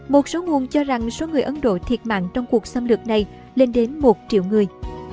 một số nguồn cho rằng số người ấn độ thiệt mạng trong cuộc xâm lược này lên đến một triệu người